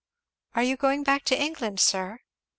"Are you going back to England, sir?"